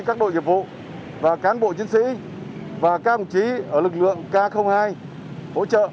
các đội nghiệp vụ và cán bộ chiến sĩ và các đồng chí ở lực lượng k hai hỗ trợ